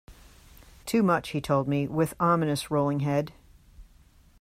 Too much, he told me, with ominous rolling head.